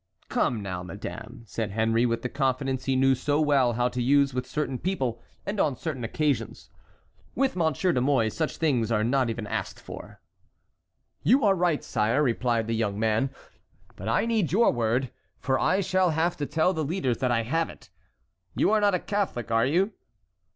"Come now, madame!" said Henry, with the confidence he knew so well how to use with certain people and on certain occasions, "with Monsieur de Mouy, such things are not even asked for." "You are right, sire," replied the young man; "but I need your word, for I shall have to tell the leaders that I have it. You are not a Catholic, are you?"